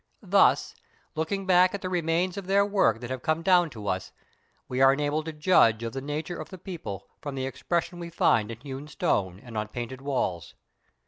Thus, looking back at the remains of their work that have come down to us, we are enabled to judge of the nature of the people from the expression we find in hewn stone and on painted walls.